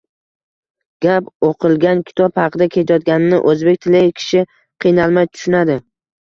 Gap oʻqilgan kitob haqida ketayotganini oʻzbek tilli kishi qiynalmay tushunadi